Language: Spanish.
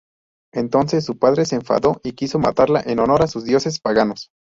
Entonces su padre se enfadó y quiso matarla en honor a sus dioses paganos.